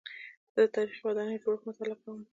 زه د تاریخي ودانیو جوړښت مطالعه کوم.